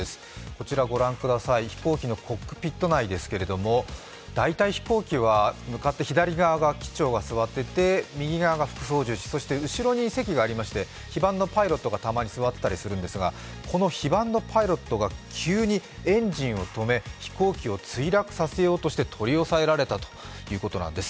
こちら、飛行機のコックピット内ですけれども大体、飛行機は向かって左側に機長が座っていて右側が副操縦士、そして後ろに席がありまして非番のパイロットがたまに座っていたりするんですが、この非番のパイロットが急にエンジンを止め飛行機を墜落させようとして取り押さえられたということなんです。